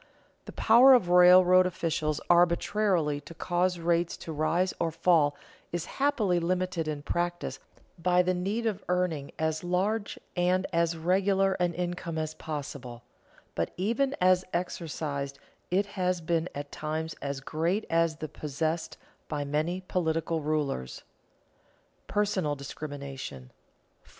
The power of railroad officials arbitrarily to cause rates to rise or fall is happily limited in practice by the need of earning as large and as regular an income as possible, but even as exercised it has been at times as great as that possessed by many political rulers. [Sidenote: Personal discrimination] 4.